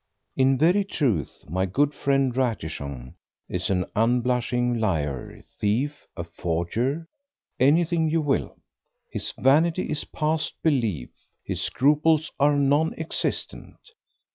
In very truth my good friend Ratichon is an unblushing liar, thief, a forger—anything you will; his vanity is past belief, his scruples are non existent.